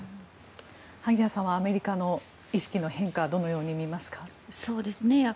萩谷さんはアメリカの意識の変化をどのように見ますか。